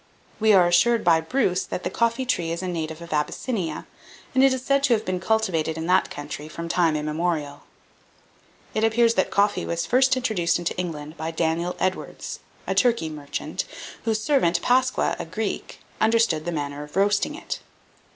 We are assured by Bruce that the coffee tree is a native of Abyssinia, and it is said to have been cultivated in that country from time immemorial. 1801. It appears that coffee was first introduced into England by Daniel Edwards, a Turkey merchant, whose servant, Pasqua, a Greek, understood the manner of roasting it.